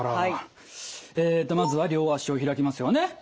えっとまずは両足を開きますよね。